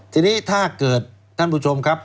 ทีนี้ถ้าเกิดท่านผู้ชมครับ